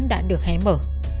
đã được hé mở